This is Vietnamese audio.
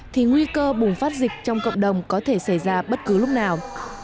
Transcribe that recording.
thì nguy cơ bùng phát dịch trong cộng đồng có thể xảy ra bất cứ lúc nào